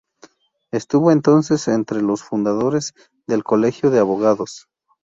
Estuvo entonces entre los fundadores del Colegio de Abogados.